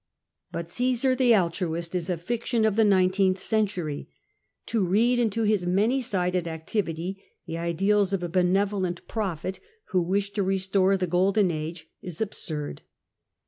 < But Caesar the altruist is a fiction of the nineteenth century. To read into his many sided activity the ideals of a benevolent prophet, who wished to restore the Golden Age, is absurd.